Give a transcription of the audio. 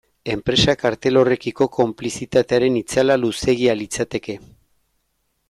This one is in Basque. Enpresa kartel horrekiko konplizitatearen itzala luzeegia litzateke.